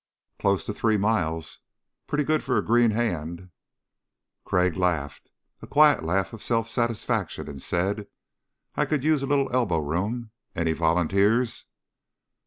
"Closer to three miles. Pretty good for a green hand." Crag laughed, a quiet laugh of self satisfaction, and said, "I could use a little elbow room. Any volunteers?"